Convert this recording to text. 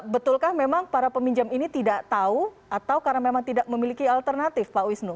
betulkah memang para peminjam ini tidak tahu atau karena memang tidak memiliki alternatif pak wisnu